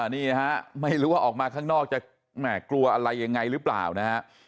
นี่นะฮะไม่รู้ว่าออกมาข้างนอกจะแหม่กลัวอะไรยังไงหรือเปล่านะฮะ